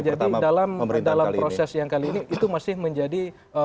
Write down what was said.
itu yang menjadi indikator bisa jadi dalam proses yang kali ini itu masih mendapatkan